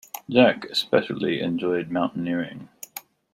Jack especially enjoyed mountaineering.